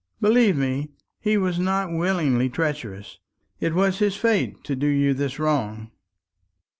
Believe me, he was not willingly treacherous; it was his fate to do you this wrong."